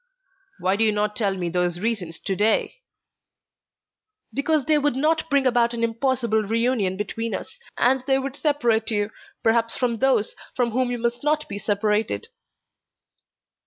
"Why do you not tell me those reasons to day?" "Because they would not bring about an impossible reunion between us, and they would separate you perhaps from those from whom you must not be separated."